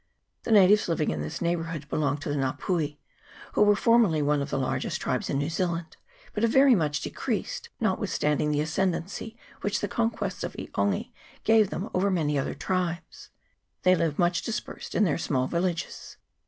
The natives living in this neighbourhood belong to the Nga pui, who were formerly one of the largest tribes in New Zealand, but have very much decreased, notwithstanding the ascendency which the conquests of E' Ongi gave them over many other tribes. They live much dispersed in their small villages.